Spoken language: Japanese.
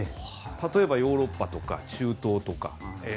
例えばヨーロッパとか中東とか。